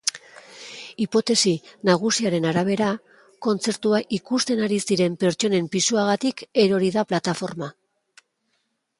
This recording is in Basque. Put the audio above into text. Hipotesi nagusiaren arabera, kontzertua ikusten ari ziren pertsonen pisuagatik erori da plataforma.